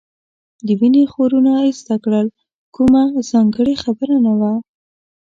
د وینې خورونه ایسته کړل، کومه ځانګړې خبره نه وه.